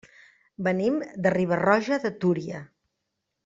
Venim de Riba-roja de Túria.